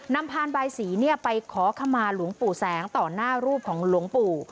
นำพาลใบสีเนี่ยไปขอขมาหลวงปู่แสงต่อหน้ารูปของหลวงปู่